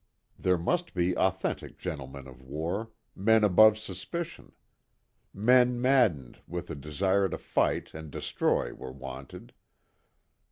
There must be authentic gentlemen of war men above suspicion. Men maddened with a desire to fight and destroy were wanted.